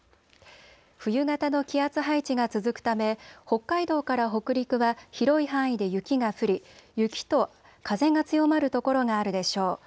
冬型の気圧配置が続くため、北海道から北陸は広い範囲で雪が降り、雪と風が強まる所があるでしょう。